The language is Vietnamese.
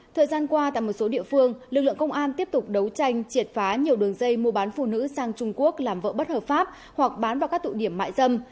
thời gian qua tại một số địa phương lực lượng công an tiếp tục đấu tranh triệt phá nhiều đường dây mua bán phụ nữ sang trung quốc làm vợ bất hợp pháp hoặc bán vào các tụ điểm mại dâm